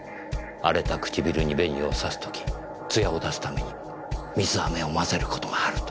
荒れた唇に紅をさす時つやを出すために水飴を混ぜる事があると。